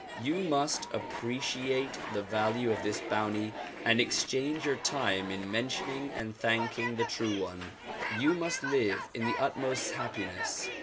You must appreciate the value of this bounty and engage your time in mentioning and thanking the true One. You nuist live in the utmost happiness.